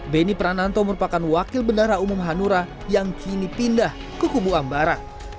beni prananto merupakan wakil bendara umum hanura yang kini pindah ke kubu ambara